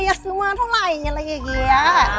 อยากซื้อมาเท่าไรอย่างนี้อะไรเงี้ย